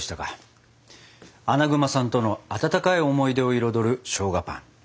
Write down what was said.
アナグマさんとの温かい思い出を彩るしょうがパン。